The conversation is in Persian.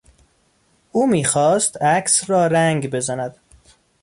او میخواست عکس را رنگ بزند.